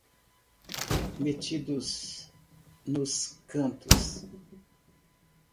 Metidos nos cantos?